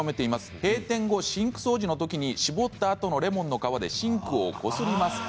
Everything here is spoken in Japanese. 閉店後シンク掃除のときに搾ったあとのレモンの皮でシンクをこすります。